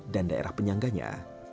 dan daerah penyangganya